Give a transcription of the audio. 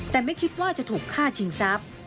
แต่ไม่คิดว่าจะถูกฆ่าชิงทรัพย์